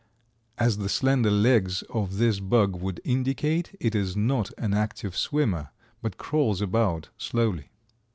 As the slender legs of this bug would indicate, it is not an active swimmer, but crawls about slowly.